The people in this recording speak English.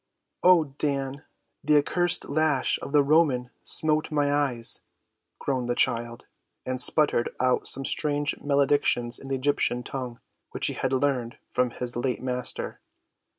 "Oh, Dan, the accursed lash of the Roman smote my eyes," groaned the child, and sputtered out some strange maledictions in the Egyptian tongue, which he had learned from his late master.